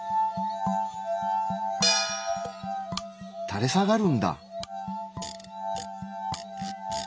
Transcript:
たれ下がるんだ！